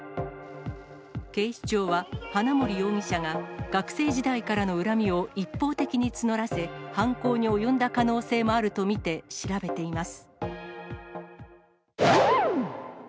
警視庁は、花森容疑者が学生時代からの恨みを一方的に募らせ、犯行に及んだ可能性もあると見て、調べています。